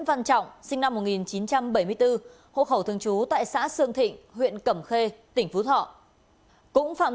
tiến vượng sinh năm một nghìn chín trăm bảy mươi bốn hộ khẩu thường trú tại xã sương thịnh huyện cẩm khê tỉnh phú thọ cũng phạm